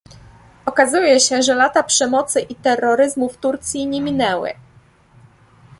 Okazuje się, że lata przemocy i terroryzmu w Turcji nie minęły